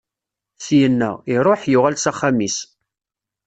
Syenna, iṛuḥ, yuɣal s axxam-is.